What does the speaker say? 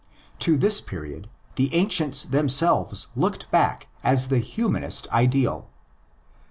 To this period the ancients themselves looked back as the humanist ideal.